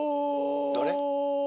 ・誰？